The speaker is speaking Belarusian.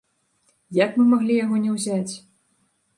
Як мы маглі яго не ўзяць?